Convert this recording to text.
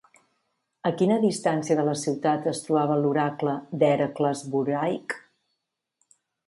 A quina distància de la ciutat es trobava l'oracle d'Hèracles Buraic?